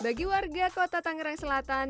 bagi warga kota tangerang selatan